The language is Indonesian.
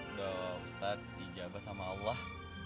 udah ustadz dijabat sama allah